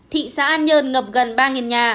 thị xã an nhơn ngập gần ba nhà